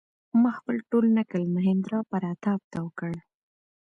ما خپل ټول نکل مهیندراپراتاپ ته وکړ.